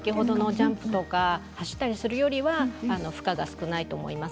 ジャンプや走ったりするよりは負荷が少ないと思います。